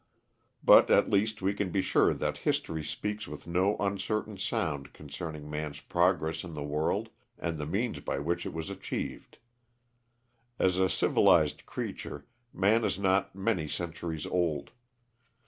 But at least we can be sure that history speaks with no uncertain sound concerning man's progress in the world and the means by which it was achieved. As a civilised creature man is not many centuries old.